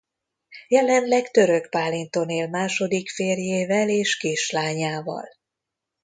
Jelenleg Törökbálinton él második férjével és kislányával.